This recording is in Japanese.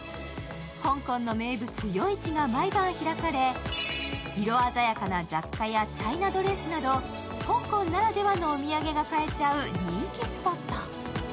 香港の名物・夜市が毎晩開かれ、色鮮やかな雑貨やチャイナドレスなど香港ならではのお土産が買えちゃう人気スポット。